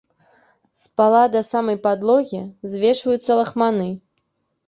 З пала да самай падлогі звешваюцца лахманы.